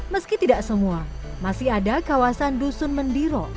meski tidak semua masih ada kawasan dusun mendiro